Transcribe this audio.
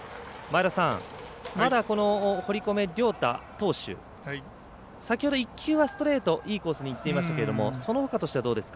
まだこの堀米涼太投手先ほど１球はストレートいいコースにいっていましたがそのほかとしてはどうですか。